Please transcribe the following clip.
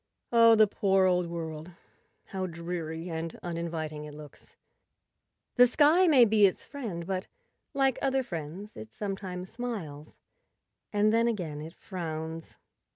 Oh, the poor old world; how dreary and uninviting it looks! The sky may be its friend, but, like other friends, it sometimes smiles and then again it frowns.